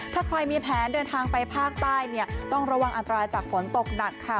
ถ้าใครมีแผนเดินทางไปภาคใต้เนี่ยต้องระวังอันตรายจากฝนตกหนักค่ะ